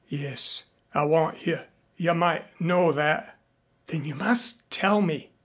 "Yes, I want you. You might know that." "Then you must tell me."